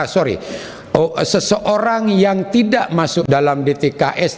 sorry seseorang yang tidak masuk dalam dtks